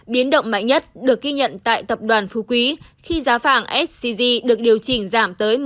biến động mạnh nhất được ghi nhận tại tập đoàn phú quý khi giá vàng scg được điều chỉnh giảm tới một mươi